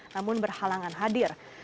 namun berhalangan hadir